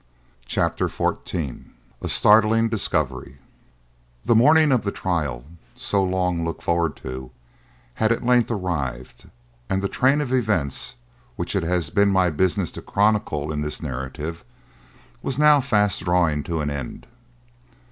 CHAPTER XIV A STARTLING DISCOVERY The morning of the trial, so long looked forward to, had at length arrived, and the train of events which it has been my business to chronicle in this narrative was now fast drawing to an end.